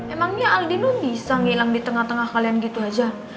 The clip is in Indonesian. emangnya aldino bisa ngilang di tengah tengah kalian gitu aja